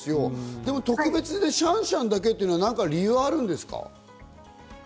でも特別でシャンシャンだけというのは理由があるんですか？